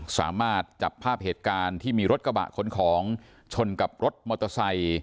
สามารถจับภาพเหตุการณ์ที่มีรถกระบะขนของชนกับรถมอเตอร์ไซค์